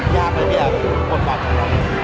ยากไหมพี่แอบคนปรับของเรา